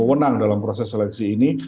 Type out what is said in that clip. wenang dalam proses seleksi ini